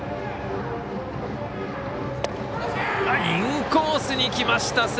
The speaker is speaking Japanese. インコースにきました！